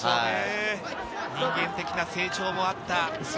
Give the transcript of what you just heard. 人間的な成長もあった、